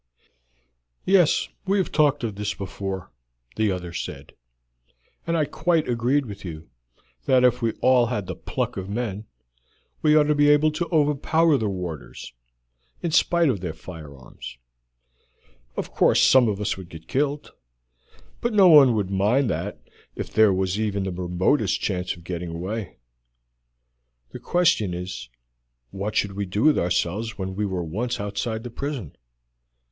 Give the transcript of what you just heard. "Yes, we have talked of this before," the other said, "and I quite agreed with you that if we all had the pluck of men we ought to be able to overpower the warders, in spite of their firearms. Of course some of us would get killed, but no one would mind that if there was but the remotest chance of getting away. The question is what we should do with ourselves when we were once outside the prison.